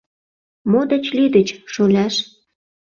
— Мо деч лӱдыч, шоляш?